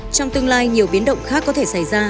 trong tương lai nhiều biến động khác có thể xảy ra